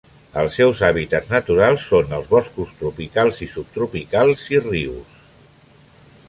Els seus hàbitats naturals són els boscos tropicals i subtropicals, i rius.